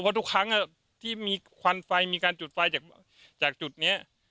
เพราะทุกครั้งที่มีควันไฟมีการจุดไฟจากจุดนี้